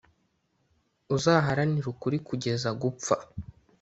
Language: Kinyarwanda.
Uzaharanire ukuri kugeza gupfa,